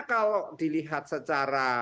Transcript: kalau dilihat secara